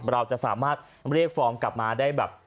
เราจะสามารถเรียกฟองกลับมาได้แบบ